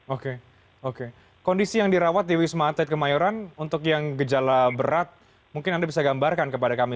oke oke kondisi yang dirawat di wisma atlet kemayoran untuk yang gejala berat mungkin anda bisa gambarkan kepada kami